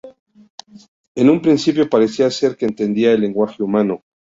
En un principio parecía ser que entendía el lenguaje humano.